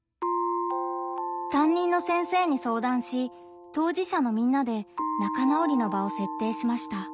担任の先生に相談し当事者のみんなで仲直りの場を設定しました。